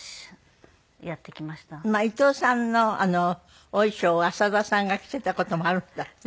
伊藤さんのお衣装を浅田さんが着ていた事もあるんだって？